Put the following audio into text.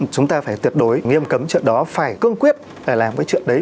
chúng ta phải tuyệt đối nghiêm cấm chuyện đó phải cương quyết phải làm cái chuyện đấy